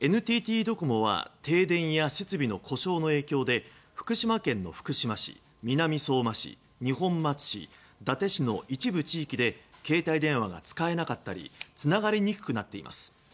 ＮＴＴドコモは停電や設備の故障の影響で福島県の福島市、南相馬市二本松市、伊達市の一部地域で携帯電話が使えなかったりつながりにくくなっています。